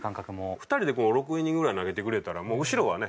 ２人で６イニングぐらい投げてくれたら後ろはね